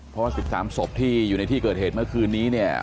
เพราะว่า๑๓ศพที่อยู่ในที่เกิดเหตุเมื่อคืนนี้เนี่ย